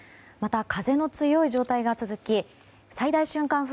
また風の強い状態が続き最大瞬間